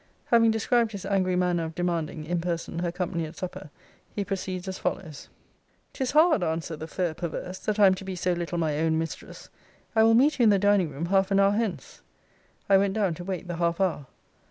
Having described his angry manner of demanding, in person, her company at supper, he proceeds as follows:] ''Tis hard, answered the fair perverse, that I am to be so little my own mistress. I will meet you in the dining room half an hour hence. 'I went down to wait the half hour.